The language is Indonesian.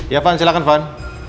iya van silahkan van